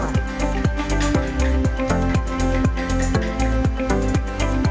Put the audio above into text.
eka rima didin iswandani kediri jawa timur